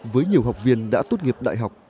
với nhiều học viên đã tốt nghiệp đại học